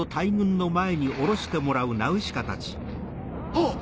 あっ！